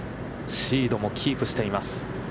シードもキープしています。